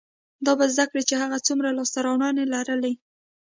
دا به زده کړي چې هغې څومره لاسته راوړنې لرلې،